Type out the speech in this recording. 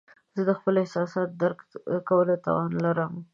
زه د مختلفو احساساتو درک کولو توان لرم.